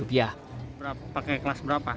pakai kelas berapa